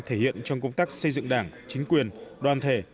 thể hiện trong công tác xây dựng đảng chính quyền đoàn thể